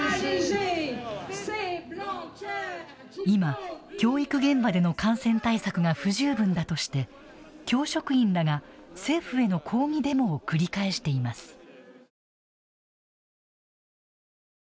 今、教育現場での感染対策が不十分だとして教職員らが政府への抗議デモを繰り返しています。